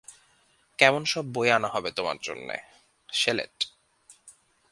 কেমন সব বই আনা হবে তোমার জন্যে, শেলেট।